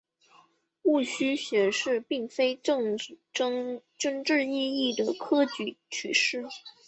戊戌选试并非真正意义的科举取士。